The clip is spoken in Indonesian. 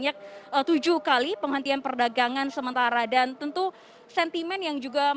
jadi ini bergantung sama dengan ini yang sudah dilakukan oleh pemerintah yang diperoleh dan yang diperoleh oleh pemerintah yang diperoleh